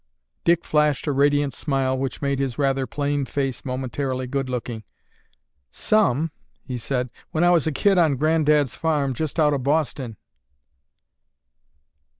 Dick flashed a radiant smile which made his rather plain face momentarily good looking. "Some," he said, "when I was a kid on Granddad's farm just out of Boston."